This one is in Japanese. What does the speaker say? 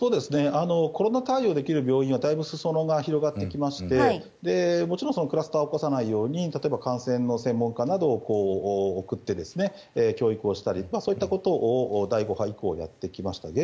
コロナ対応ができる病院はだいぶ裾野が広がってきましてもちろんクラスターを起こさないように感染の専門家などを送って教育をしたりとかそういったことを第５波以降でやってきました。